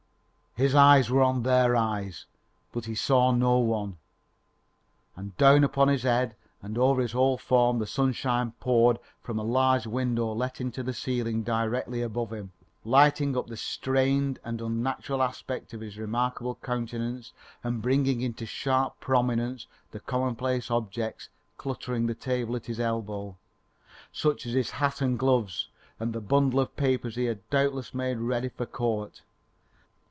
His eyes were on their eyes, but he saw no one; and down upon his head and over his whole form the sunshine poured from a large window let into the ceiling directly above him, lighting up the strained and unnatural aspect of his remarkable countenance and bringing into sharp prominence the commonplace objects cluttering the table at his elbow; such as his hat and gloves, and the bundle of papers he had doubtless made ready for court.